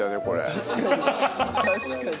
確かに。